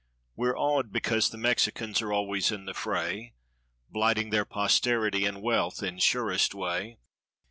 We're awed because the Mexicans are always in the fray. Blighting their posterity and wealth in surest way.